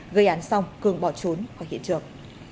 gây án xong cường bỏ trốn qua hiện trường